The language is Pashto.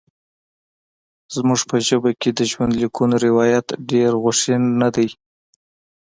زموږ په ژبه کې د ژوندلیکونو روایت ډېر غوښین نه دی.